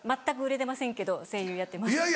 全く売れてませんけど声優やってます。